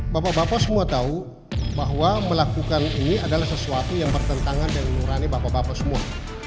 bapak bapak semua tahu bahwa melakukan ini adalah sesuatu yang bertentangan dengan nurani bapak bapak semua